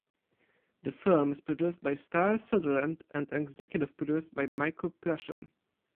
The film is produced by Starr Sutherland and executive produced by Michael Prussian.